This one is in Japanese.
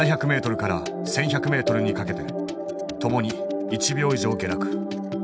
７００ｍから１，１００ｍにかけてともに１秒以上下落。